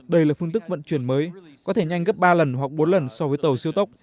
đây là phương tức vận chuyển mới có thể nhanh gấp ba lần hoặc bốn lần so với tàu siêu tốc